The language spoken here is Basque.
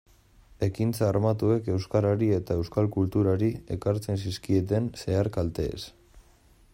Ekintza armatuek euskarari eta euskal kulturari ekartzen zizkieten zehar-kalteez.